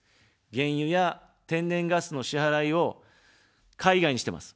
原油や天然ガスの支払いを海外にしてます。